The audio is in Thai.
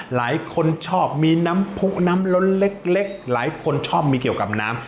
หลายคนชอบมีน้ำผู้น้ำล้นเล็กหลายคนชอบมีเกี่ยวกับน้ำ